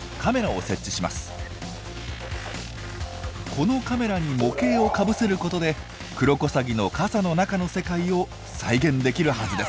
このカメラに模型をかぶせることでクロコサギの傘の中の世界を再現できるはずです。